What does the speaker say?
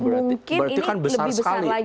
mungkin ini lebih besar lagi